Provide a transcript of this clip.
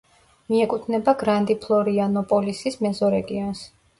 მიეკუთვნება გრანდი-ფლორიანოპოლისის მეზორეგიონს.